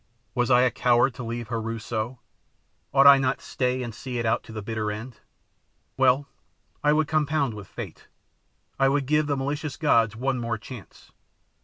Was I a coward to leave Heru so? Ought I not to stay and see it out to the bitter end? Well, I would compound with Fate. I would give the malicious gods one more chance.